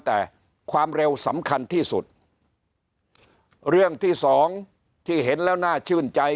แต่ความเร็วสำคัญที่สุดเรื่องที่สองที่เห็นแล้วน่าชื่นใจ